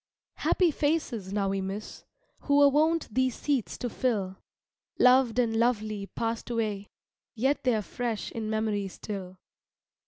Happy faces now we miss, Who were wont these seats to fill; Loved and lovely passed away, Yet they're fresh in memory still.